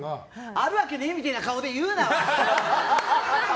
あるわけねえみたいな顔で言うな！